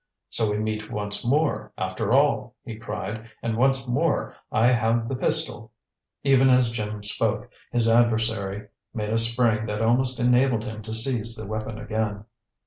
"So we meet once more, after all!" he cried. "And once more I have the pistol." Even as Jim spoke, his adversary made a spring that almost enabled him to seize the weapon again.